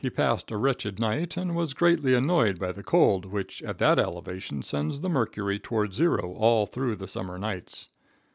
He passed a wretched night, and was greatly annoyed by the cold, which at that elevation sends the mercury toward zero all through the summer nights.